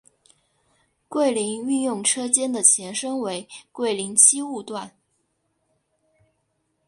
桂林运用车间的前身为桂林机务段。